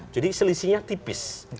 jadi selisihnya tipis